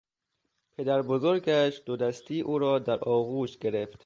پدر بزرگش دودستی او را در آغوش گرفت.